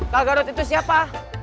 gal gadot itu siapa